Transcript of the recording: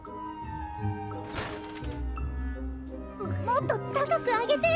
もっと高く上げて！